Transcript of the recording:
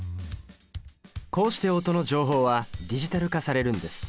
こうして音の情報はディジタル化されるんです。